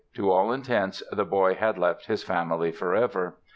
To all intents, the boy had left his family forever.